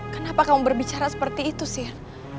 kenapa kamu berbicara seperti itu sih